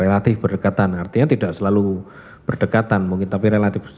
relatif berdekatan artinya tidak selalu berdekatan mungkin tapi relatif